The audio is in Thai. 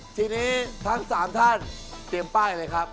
ทีนี้ทั้ง๓ท่านเตรียมป้ายเลยครับ